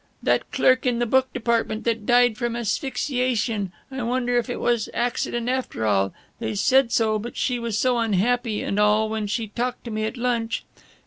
"That clerk in the book department that died from asphyxiation I wonder if it was accident, after all. They said so, but she was so unhappy and all when she talked to me at lunch.